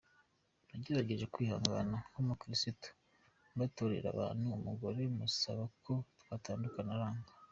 Nagerageje kwihangana nk’umukirisitu, mbatorera abantu, umugore musaba ko twatandukana, aranga.